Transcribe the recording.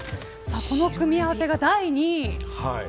この組み合わせが第２位。